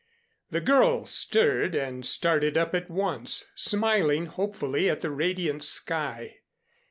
The girl stirred and started up at once, smiling hopefully at the radiant sky.